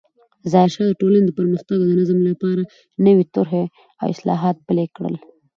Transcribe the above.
ظاهرشاه د ټولنې د پرمختګ او نظم لپاره نوې طرحې او اصلاحات پلې کړل.